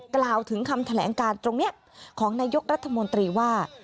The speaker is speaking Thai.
กล่าวถึงคำแถลงการตรงนี้ของนายกรัฐมนตรีว่า